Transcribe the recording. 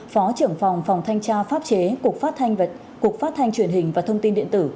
phó trưởng phòng phòng thanh tra pháp chế cục phát thanh truyền hình và thông tin điện tử